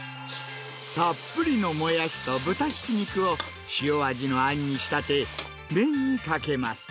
たっぷりのもやしと豚ひき肉を塩味のあんに仕立て、麺にかけます。